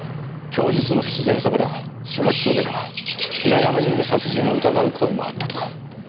供述の不自然さから所轄署では平山による殺人を疑う声もあったとか。